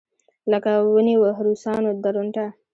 لکه ونېوه روسانو درونټه.